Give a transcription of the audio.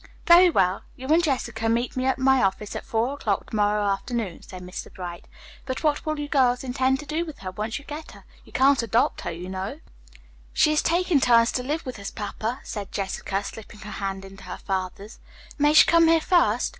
"Very well; you and Jessica meet me at my office at four o'clock to morrow afternoon," said Mr. Bright. "But what do you girls intend to do with her, once you get her? You can't adopt her, you know." "She is to take turns living with us, papa," said Jessica, slipping her hand into her father's. "May she come here first?